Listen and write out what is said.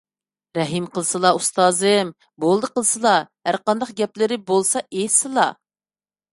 رەھىم قىلسىلا، ئۇستازىم، بولدى قىلسىلا! ھەرقانداق گەپلىرى بولسا ئېيتسىلا!